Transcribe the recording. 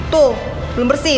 tuh belum bersih